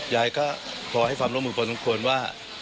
ใหญ่ก็พอให้ความร่วมมือพอสังควรว่า